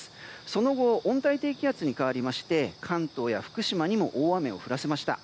その後温帯低気圧に変わりまして関東や福島にも大雨を降らせました。